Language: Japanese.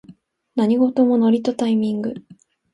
何事もノリとタイミング